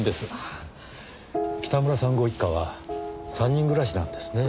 北村さんご一家は３人暮らしなんですねぇ。